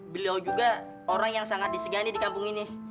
beliau juga orang yang sangat disegani di kampung ini